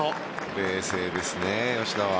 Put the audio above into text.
冷静ですね、吉田は。